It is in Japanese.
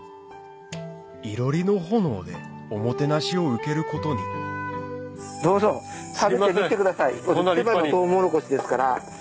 囲炉裏の炎でおもてなしを受けることにどうぞ食べてみてください一番のトウモロコシですから。